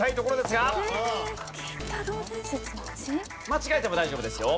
間違えても大丈夫ですよ。